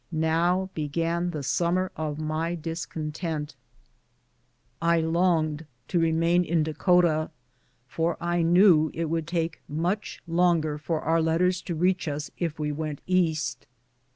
Now began the summer of my dis content. I longed to remain in Dakota, for I knew it would take much longer for our letters to reach us if we went East.